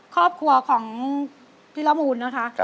ครอบครัวของพี่ละมูลนะคะ